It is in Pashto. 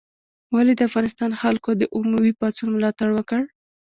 ولې د افغانستان خلکو د اموي پاڅون ملاتړ وکړ؟